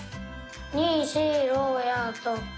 にしろやとお！